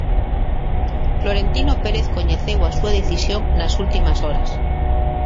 Florentino Pérez coñeceu a súa decisión nas últimas horas.